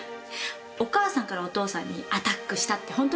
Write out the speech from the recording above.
お母さんからお父さんにアタックしたって本当ですか？